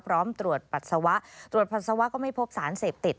พร้อมตรวจปัสสาวะตรวจปัสสาวะก็ไม่พบสารเสพติด